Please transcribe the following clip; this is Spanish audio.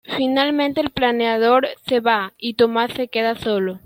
Finalmente el planeador se va, y Thomas se queda solo.